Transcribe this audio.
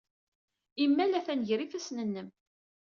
Imal atan gar yifassen-nnem.